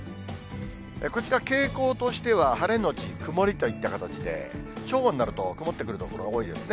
こちら、傾向としては晴れ後曇りといった形で、正午になると、曇ってくる所が多いですね。